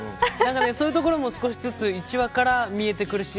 そういうところも少しずつ１話から見えてくるし